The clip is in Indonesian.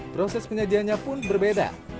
proses penyajiannya pun berbeda